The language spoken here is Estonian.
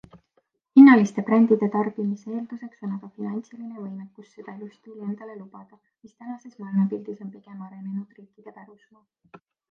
Hinnaliste brändide tarbimise eelduseks on aga finantsiline võimekus seda elustiili endale lubada, mis tänases maailmapildis on pigem arenenud riikide pärusmaa.